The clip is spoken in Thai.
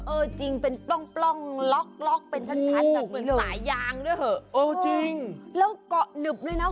เออเป็นปล่องล็อคเป็นชั้น